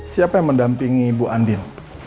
siapa yang mendampingi ibu andin